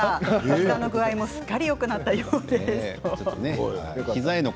膝の具合もすっかりよくなったようです。